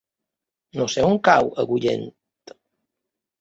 No sé on cau Agullent.